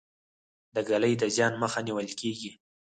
د ږلۍ د زیان مخه نیول کیږي.